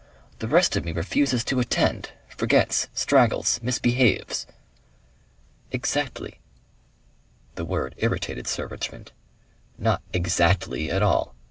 The rest of me refuses to attend, forgets, straggles, misbehaves." "Exactly." The word irritated Sir Richmond. "Not 'exactly' at all.